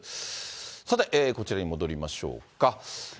さて、こちらに戻りましょうか。